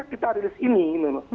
jadi kita harus berpikir